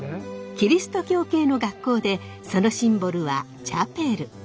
キリスト教系の学校でそのシンボルはチャペル。